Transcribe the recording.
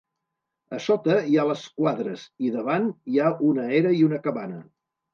A sota hi ha les quadres i davant hi ha una era i una cabana.